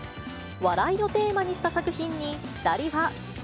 笑いをテーマにした作品に、２人は。